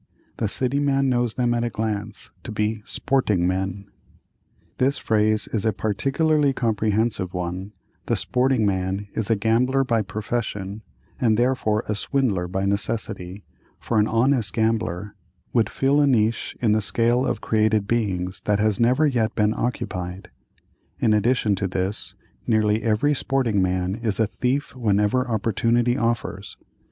The city man knows them at a glance to be "sporting men." This phrase is a particularly comprehensive one; the "sporting man" is a gambler by profession, and therefore a swindler by necessity, for an "honest gambler" would fill a niche in the scale of created beings that has never yet been occupied; in addition to this, nearly every sporting man is a thief whenever opportunity offers.